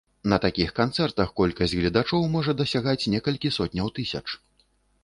На такіх канцэртах колькасць гледачоў можа дасягаць некалькі сотняў тысяч.